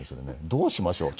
どうしましょう？